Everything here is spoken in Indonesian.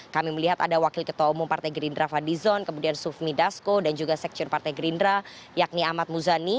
kami melihat ada wakil ketua umum partai gerindra fadlizon kemudian sufmi dasko dan juga sekstur partai gerindra yakni ahmad muzani